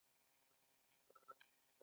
آیا تور رنګ د ماتم نښه نه ده؟